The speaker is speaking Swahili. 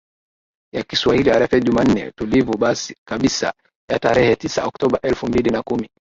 ya kiswahili rfi jumanne tulivu kabisa ya tarehe tisa oktoba elfu mbili na kumi